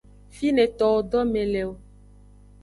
Fine towo dome le o.